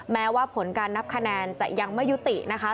แม้ว่าผลการนับคะแนนจะยังไม่ยุตินะคะ